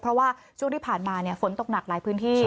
เพราะว่าช่วงที่ผ่านมาฝนตกหนักหลายพื้นที่